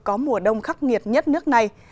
có mùa đông khắc nghiệt nhất nước này